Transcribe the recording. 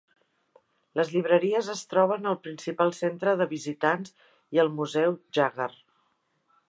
Les llibreries es troben al principal centre de visitants i al museu Jaggar.